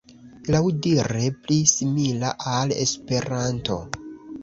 Laŭdire pli simila al Esperanto.